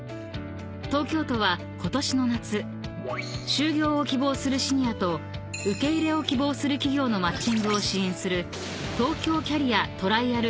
［東京都はことしの夏就業を希望するシニアと受け入れを希望する企業のマッチングを支援する］